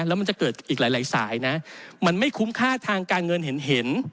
แล้วมันจะเกิดอีกหลายสายนะมันไม่คุ้มค่าทางการเงินเห็น